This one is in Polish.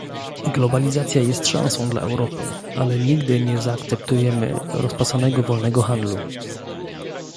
Globalizacja jest szansą dla Europy, ale nigdy nie zaakceptujemy rozpasanego wolnego handlu